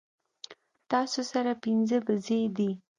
تاسو سره پنځۀ بيزې دي